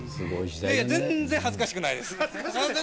全然恥ずかしくないです。